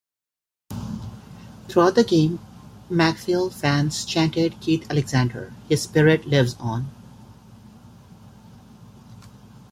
Throughout the game, Macclesfield fans chanted "Keith Alexander, his spirit lives on".